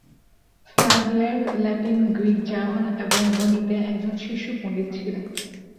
ফ্রাজিয়ার Latin, Greek, German এবং গণিতে একজন শীর্ষ পণ্ডিত ছিলেন।